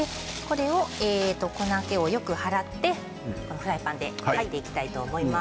粉けをよく払ってフライパンで焼いていきたいと思います。